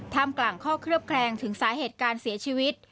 กลางข้อเคลือบแคลงถึงสาเหตุการเสียชีวิต